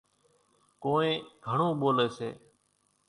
ڪونئين گھڻون ٻوليَ سي۔